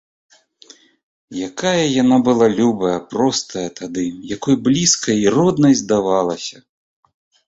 Якая яна была любая, простая тады, якой блізкай, роднай здавалася!